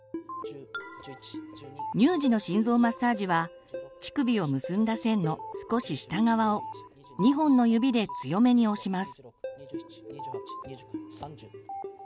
乳児の心臓マッサージは乳首を結んだ線の少し下側を２本の指で強めに押します。